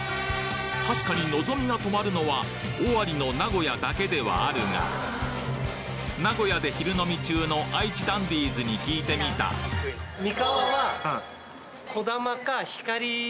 確かにのぞみが停まるのは尾張の名古屋だけではあるが名古屋で昼飲み中の愛知ダンディーズに聞いてみたあるよね。